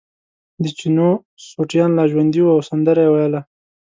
د چینو سوټیان لا ژوندي وو او سندره یې ویله.